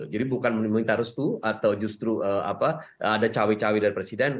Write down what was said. jadi bukan menimbulkan tarus itu atau justru ada cawi cawi dari presiden